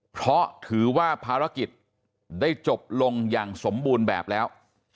เพราะถือว่าภารกิจได้จบลงอย่างสมบูรณ์แบบแล้ว